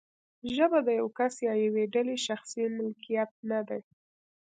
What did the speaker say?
ژبه د یو کس یا یوې ډلې شخصي ملکیت نه دی.